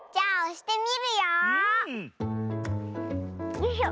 よいしょ。